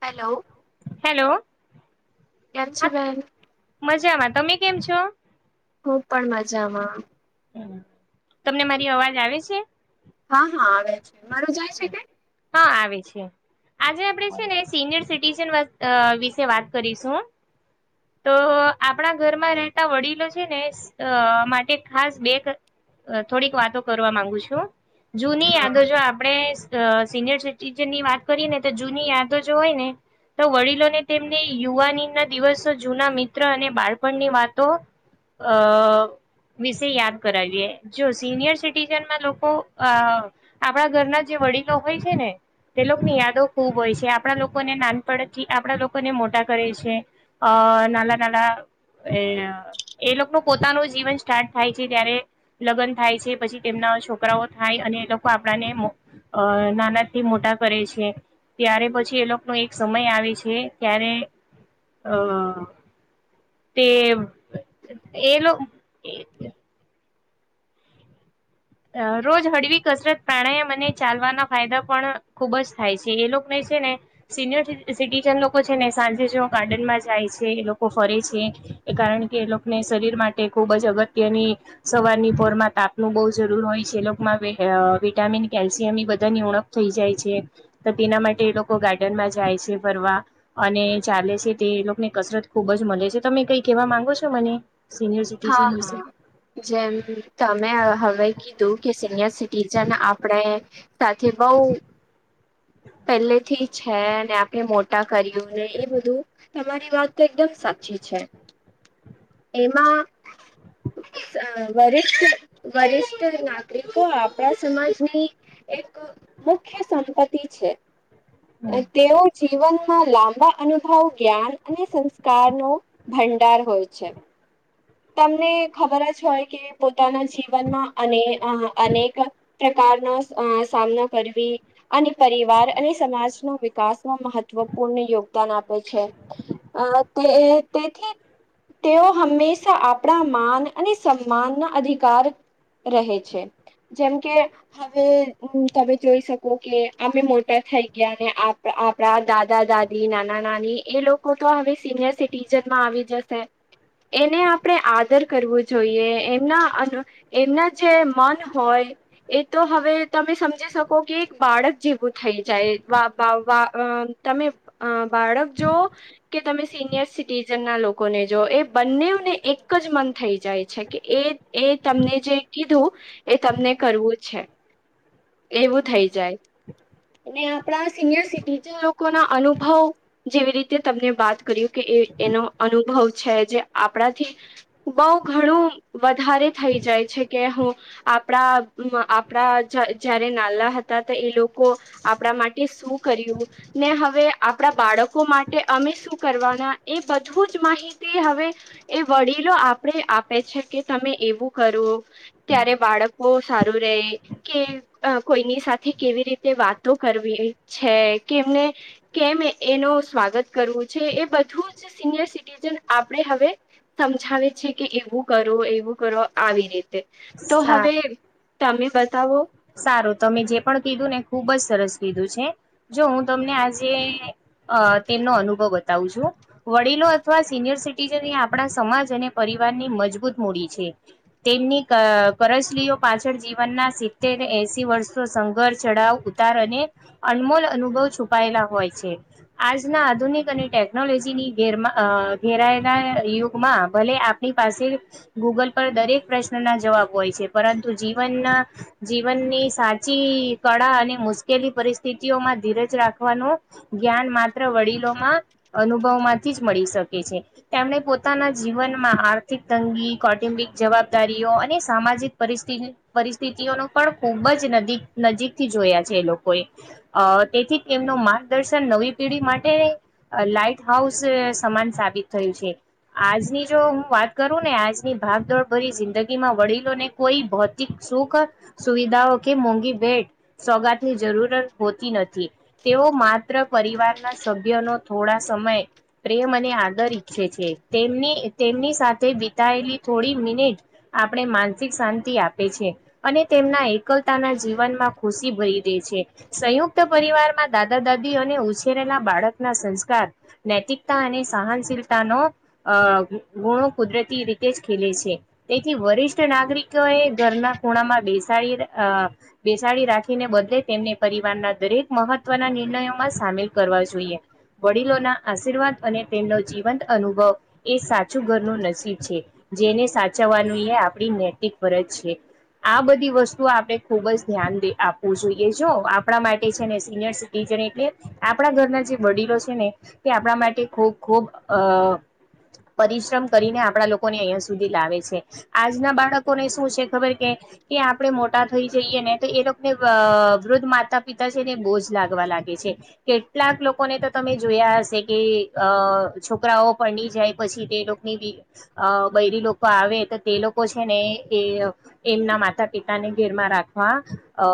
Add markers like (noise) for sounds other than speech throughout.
Hello hello કેમ છો હા બેેન મજામાં તમે કેમ છો હું પણ મજામાં હમ્મ તમને મારી અવાજ આવે છે? હા હા આવે છે મારું જાય છે ને? હા આવે છે આજે આપણે છે ને સિનિયર સિટીઝન વત વિશે વાત કરીશું. તો આપણા ઘરમાં રહેતા વડીલો છે ને માટે ખાસ બે થોડીક વાતો કરવા માંગુ છું જૂની હા યાદો જો આપણે સિનિયર સિટીજન ની વાત કરીએ ને તો જૂની યાદો જો હોય ને તો વડીલોને ટેમને યુવાની ના દિવસો જૂના મિત્ર અને બાળપણની વાતો અ. વિશે યાદ કરાવીએ જો સિનિયર સિટીઝનમાં લોકો અ આપણા ઘરના જે વડીલો હોય છે ને તે લોકો ની યાદો ખુબ હોય છે આપડા લોકોને નાનપડ થી આપણા લોકો લોકોને મોટા કરે છે અ નાના નાના એ લોકો ન પોતાનું જીવન સ્ટાર્ટ થાય છે ત્યારે લગ્ન થાય છે પછી તેમના છોકરાઓ થાય અને એ લોકો આપણાને નાના થી મોટા કરે છે. ત્યારે પછી એ લોકોનો એક સમય આવે છે ત્યારે અ તે એ લોક રોજ હળવી કસરત પ્રાણાયામ અને ચાલવાના ફાયદા પણ ખુબ જ થાય છે એ લોકને. છે ને સિનિયર સિટીજન લોકો છે ને સાંજે જો ગાર્ડનમાં જાય છે એ લોકો ફરે છે. એ કારણ કે એ લોકને શરીર માટે ખુબ જ અગત્યની સવારની પોરમાં તાપનું બૌ જરૂર હોય છે એ લોકમાં વિટામિન કેલ્શિયમ બધાની ઉણપ થઈ જાય છે તો તેના માટે એ લોકો ગાર્ડનમાં જાય છે ફરવા અને ચાલે છે તે લોકોની કસરત ખુબ જ મળે છે તને તમે કઈ કેવા માંગો છો મને? સિનિયર હા સિટીઝન વિશે હા જેમ તમે હવે કીધું કે સિનિયર સિટીજન આપણે સાથે બઉ (inaudible) પહેલે થી છે અને આપણે મોટા કર્યું ને એ બધું તમારી વાત તો એકદમ સાચી છે. (inaudible) એમાં. (inaudible) વરિષ્ઠ વરિષ્ઠ નાગરિકો આપણા સમાજની એક મુખ્ય સંપતિ છે હ તેઓ. જીવનમાં લાંબા અનુભવ જ્ઞાન અને સંસ્કાર નો ભંડાર હોય છે. તમને ખબર જ હોય કે પોતાના જીવનમાં અને અનેક. પ્રકારનો સામનો કરવી અને પરિવાર અને સમાજનો વિકાસમાં મહત્વ. મહત્વપૂર્ણ યોગદાન આપે છે તે તેથી તેઓ હંમેશા આપણા માન અને સન્માનના અધિકાર. રહે છે જેમ કે હવે તમે જોઈ શકો કે અમે મોટર. થઈ ગયા ને આપણા દાદા દાદી નાના નાની એ લોકો તો હવે સિનિયર સિટીજન. માં આવી જશે એને આ આપણે આદર કરવું જોઈએ એમના એમના જે મન હોય એ તો. તો હવે તમે સમજી શકો કે એક બાળક જેવું થઈ જાય વા વા વા વામ તમે. અ બાળક જો કે તમે સિનિયર સિટીઝન ના લોકોને જો એ બંનેને. એક જ મન થઈ જાય છે કે એ એ તમને જે કીધું એ તમને કરવું છે. (inaudible) એવું થઇ જાય. અને આપણા સિનિયર સિટીજન લોકોના અનુભવ જેવી રીતે તમને વાત કર્યું કે એ એનો અનુભવ છે જે આપણાથી (inaudible) બઉ ઘણું વધારે થઈ જાય છે કે હું આપણા આપણા જયારે નાલા હતા તો એ લોકો આપણા માટે શું કર્યું ને હવે આપણા બા બાળકો માટે અમે શું કરવાના એ બધું જ માહિતી હવે એ વડીલો આપડે આપે છે કે તમે એવું કરો ત્યારે બાળકો સારું રેય કે કોઈની સાથે કેવી રીતે વાતો કરવી છે કેમને. કેમ એનું સ્વાગત કરવું છે એ બધું જ સિનિયર સિટીજન આપણે હવે. સમજાવે છે કે એવું કરો એવું કરો આવી રીતે તો સા હવે. તમે બતાવો. સારું તમે જે પણ કીધું ને ખુબ જ સરસ કીધું છે જો હું તમને આજે. અ તેમનો અનુભવ બતાવું છું વડીલો અથવા સિનયર સિટીઝન એ આપણા સમાજ અને વારની મજબૂત મૂડી છે તેમની કરસલીઓ પાછળ જીવનના સીત્તેર એસી વર્ષો સંઘર્ ચઢાવ ઉતાર અને અનમોલ અનુભવ છુપાયેલા હોય છે. આજના આધુનિક અને ટેકનોલોજીની ઘેરમાં ઘેરાયેલા યુગમાં ભલે. આપણી પાસે ગૂગલ પર દરેક પ્રશ્ન ના જવાબ હોય છે પરંતુ જીવનના. જીવનની સાચી કળા અને મુશ્કેલી પરિસ્થિતિઓમાં ધીરજ રાખવાનું જ્ઞાન માત્ર વડીલોમાં અનુભવમાંથી જ મળી શકે છે તેમણે પોતાના જીવન. આર્થિક તંગી કૌટુંબિક જવાબદારીઓ અને સામાજિક પરિ પરિસ્થિતિઓનો. પણ ખૂબ જ નજીક નજીક થી જોયા છે એ લોકોએ તેથી તેમનું માર્ગદર્શન. નવી પેઢી માટે લાાઈટ હાઉસ સમાન સાબિત થયું છે. આજની જો હું વાત કરું ને આજની ભાગદોડ ભરી જિંદગીમાં વડીલોને કોઈ ભૌતિક. શું કર. સુવિધાઓ કે મોંઘી ભેટ સોગાત ની જરૂરત હોતી નથી તેઓ માત્ર. પરિવારના સભ્યનો થોડા સમય પ્રેમ અને આદર ઈચ્છે છે તેમની. સાથે વિતાયેલી થોડી મિનિટ આપણે માનસિક શાંતિ આપે છે અને તેમના એકલતાના જીવનમાં ખુશી ભરી દે છે સંયુક્ત પરિવારમાં દાદા દાદી અને ઉછેરેલા બાળક ના સંસ્કાર. નૈતિકતા અને સહનશીલતા નો અ ગુણો કુદરતી રીતે જ ખીલે છે તેથી વરિષ્ઠ નાગરિકો એ ઘરના. ખુણામાં બેસ. બેસાડી રાખીને બદલે તેમને પરિવારના દરેક મહત્વના નિર્ણયોમાં. સામેલ કરવા જોઈએ. વડીલોના આશીર્વાદ અને તેમનો જીવંત અનુભવ એ સાચું ઘરનું નસીબ છે. જેને સાચવવાનું એ આપ નૈતિક ફરજ છે આ બધું વસ્તુ આપણે ખુબ જ ધ્યાને આપવું જોઈએ જો આપણા માટે છે ને સિનિયર સિટીઝન એટલે આપણા ઘરના જે વડીલો છે ને તે આપણા માટે ખૂબ ખૂબ અ પરિશ્રમ કરીને આપણા લોકોને અહિયાં સુધી લાવે છે આજના બાળકોને શું છે ખબર કે કે આપણે મોટા થઈ જઈએ ને તો એ લોકોને વૃદ્ધ માતા પિતા છે ને બોજ લાગવા લાગે છે કેટલાક લોકોને તો તમે જોયા હશે કે અ છોકરાઓ પરણી જાય પછી તે લોકો બી અ બયરી લોકો આવે તો તે લોકો છે ને એ એમના માટે માતા પિતા ને ઘેરમાં રાખવા અ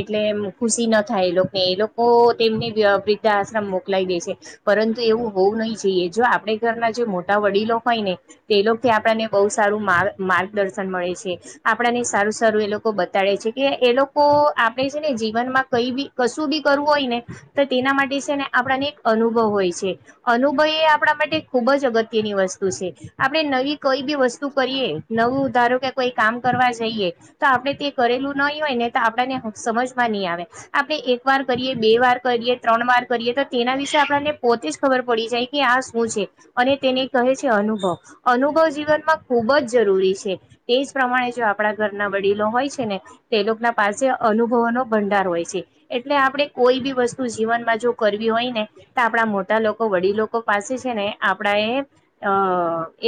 એટલે ખુશી ના થાય એ લોકોને એ લોકો તેમની વૃદ્ધા આશ્રમ મોકલાય દે છે પરંતુ એવું હોવું નહી જોઈએ જો આપણે ઘરના જે મોટા વડીલો હોય ને તે લોકો આપણને બહુ સારું માર્ગદર્શન મળે છે આપણાને સારું સારું એ લોકો બતાડે છે કે એ લોકો આપણે છે ને જીવન માં કઈ બી કશું બી કરવું હોય ને તો તેના માટે છે ને આપણાને એક અનુભવ હોય છે અનુભવ એ આપણા માટે ખૂબ ખૂબ જ અગત્યની વસ્તુ છે આપણે નવી કોઈ બી વસ્તુ કરીએ નવું ધારો કે કોઈ કામ. કરવા જઈએ તો આપણે તે કરેલું નહી હોય ને તો આપને સમજવા નહી આવે આપણે એક વાર. કરીએ બે વાર કરીએ ત્રણ વાર કરીએ તો તેના વિશે આપણને પોતે જ ખબર પડી જાય કે આ શું છે. અને તેને કહે છે અનુભવ અનુભવ જીવનમાં ખૂબ જ જરૂરી છે તે જ પ્રમાણે. આપણા ઘરના વડીલો હોય છે ને તે ના પાસે અનુભવોનો ભંડાર હોય છે એટલે આપ. આપણે કોઈ બી વસ્તુ જીવનમાં જો કરવી હોય ને તો આપણા મોટા લોકો વડી લોકો પાસે છે ને. આપણે અ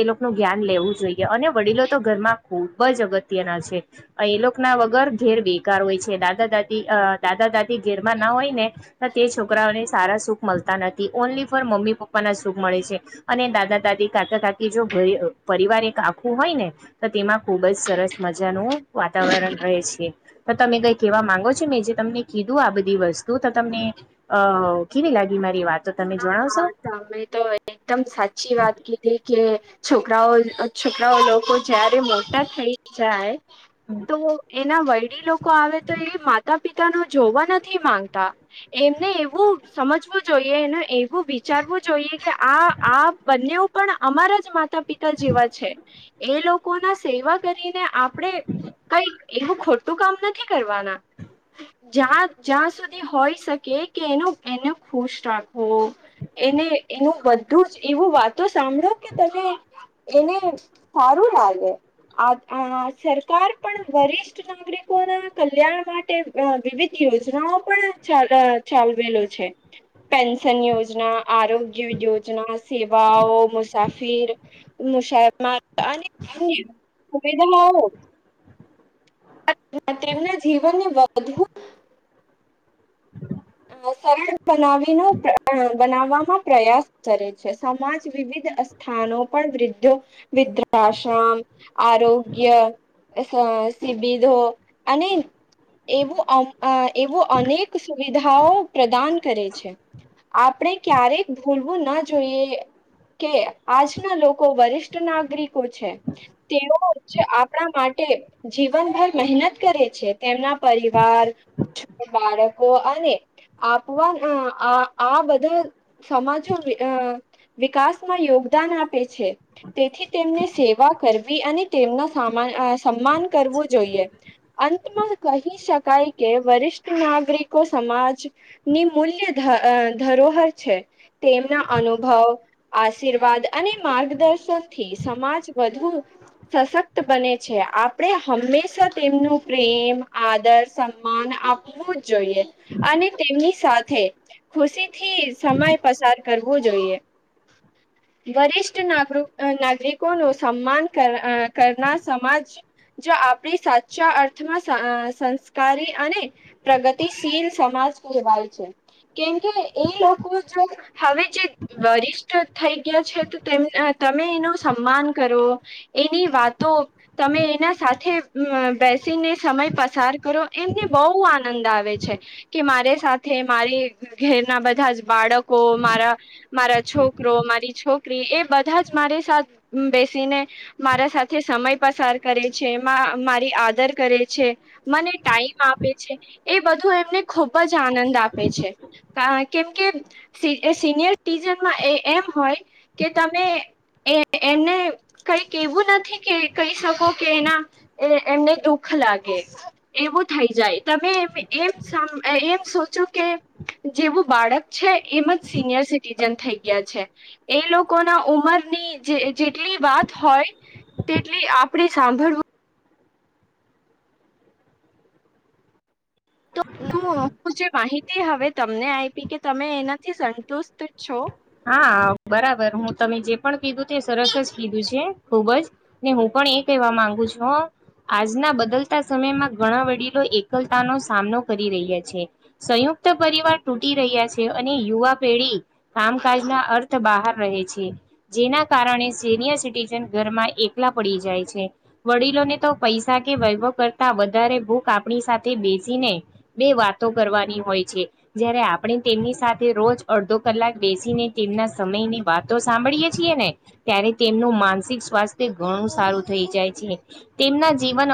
એ લોકોનું જ્ઞાન લેવું જોઈએ અને વડીલો તો ઘરમાં ખૂબ જ અગત્ય. તેના છે એ લોકો ના વગર ઘેર બેકાર હોય છે દાદા દાદી દાદા દાદી. ઘેરમાં ના હોય ને તો તે છોકરાઓને. સારા સુખ મળતા નથી ઓનલી ફોર મમ્મી પપ્પાના સુખ મળે છે અને દાદા દાદી કાકા કાકી જો પરિવાર એક આખું હોય ને તો તેમાં ખુબ જ સરસ મજાનું વાતાવરણ રહે છે તો તમે કઈક એવા માંગો છો મેં જે તમને કીધું આ બધી વસ્તુ તો તમને અ કેવી લાગી મારી વાતો તમે હા હા જણાવશો ત મે તો એકદમ સાચી વાત કે છોકરાઓ છોકરાઓ લોકો જયારે મોટા થઈ જાય તો એના વડીલો લોકો આવે તો એ માતા પિતા ને જોવા નથી માંગતા એમને એવું સમજવું જોઈએ એ એવું વિચારવું જોઈએ કે આઆ બંને પણ અમારા જ માતા પિતા પિતા જેવા છે એ લોકો ના સેવા કરીને આપણેે કઈ એવું ખોટું કામ નથી કરવાના જ્યાં જ્યાં સુધી હોય શકે કે એનું એનું ખુશ રાખો એને એનું બધું જ એવું વાતો સાંભળો કે તમે એને સારું લાગે આ સરકાર પણ વરિષ્ઠ નાગરિકોના કલ્યાણ માટે વિવિધ યોજનાઓ પણ ચ ચાલવેલો છે (inaudible) પેન્શન યોજના આરોગ્ય યોજના સેવાઓ મુસાફિર સુવિધા તેમના જીવનને વધુ (inaudible) અ, સરળ બનાવીનો બનાવવામાં પ્રયાસ કરે છે સમાજ વિવિધ સ્થનો પણ વૃદ્ધો વદ્રાશમ આરોગ્ય સિબિધો અને એવું એવું અનેક સુવિધાઓ પ્રદાન કરે છે આપણે ક્યારેક ભૂલવું ના જોઈએ કે આજના લોકો વરિષ્ઠ નાગરિકો છે તેઓ જ આપણા માટે જીવનભર મહેનત કરે છે તેમના પરિવાર છોક બાળક અને આપવા આ આ બધા સમાજો વિકાસમાં યોગદાન આપે છે તેથી તેમને સેવા કરવી અને સન્માન કરવું જોઈએ અંતમાં કહી શકાય કે વરિષ્ઠ નાગરિક સમાજની મૂલ્ય ધરોહર છે તેમના અનુભવ આશીર્વાદ અને માર્ગદર્શન થી સમાજ વધુ સશક્ત બને છે આપણે હંમેશા તેમનું પ્રેમ આદર સન્માન આપું જ જોઈએ અને તેમની સાથે ખુશીથી સમય પસાર કરવો જોઈએ (inaudible) વરિષ્ઠ નાગર નાગરિકો ન સન્માન કરનાર સમાજ જો આપણી સાચા અર્થમાં સંસ્કારી અને પ્રગતિશીલ સમાજ કહેવાય છે કેમકે એ લોકો જો હવે જે વરિષ્ઠ થઈ ગયા છે તો તમે એનું સન્માન કરો એની વાતો તમે એના સાથે બેસીને સમય પસાર કરો એમને બહુ આનંદ આવે છે કે મારી સાથે મારી ઘેરના બધા જ બાળકો મારા મારા છોકરો મારી છોકરી એ બધા જ મારી સાથ બેસીને મારા સાથે સમય પસાર કરે છે મારી આદર કરે છે મને ટાઈમ આપે છે એ બધું એમને ખૂબ જ આનંદ આપે છે હ કેમ કે સિનયર સીટીઝન માં એમ હોય કે તમે એ એમને કઈક એવું નથી કે કહી શકો કે એના એમને દુખ લાગે એવું થઈ જાય તમે એમ એમ સોચો કે જેવું બાળક છે એમ જ સિનિયર સિટીજન થઈ ગયા છે એ લોકો ના ઉમર ની જે જેટલી વાત હોય તેટલી આપણેે સાંભળવું તો તું માહિતી હવે તમને આપી કે તમે એનાથી સંતુષ્ટ છો હા બરાબર હું તમે જે પણ કીધું તે સરસ જ કીધું છે ખુબ જ હું પણ એ કેવા માંગુ છું આજના બદલતા સમયમાં ઘણા વડીલો એકલતાનો સામનો કરી રહ્યા છે સંયુક્ત ફક્ત પરિવાર તૂટી રહ્યા છે અને યુવા પેઢી કામકાજ ના અર્થ બહાર રહે છે જેના કારણે સિનિયર સિટીજન ઘરમાં એકલા પડી જાય છે વડીલોને તો પૈસા કે વૈભવ કરતા વધારે ભૂખ આપણી સાથે બેસીને બે વાતો કરવાની હોય હોય છે જય્યારે આપણે તેમની સાથે રોજ અડધો કલાક બેસીને તેમના સમયની વાતો સાંભળીએે છીએ ને ત્યારે તેમનું માનસિક સ્વાસ્થ્ય ઘણું સારું થઈ જાય છે તેમના જીવન